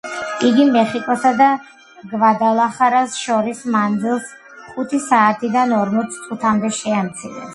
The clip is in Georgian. იგი მეხიკოს და გვადალახარას შორის მანძილს ხუთი საათიდან ორმოც წუთამდე შეამცირებს.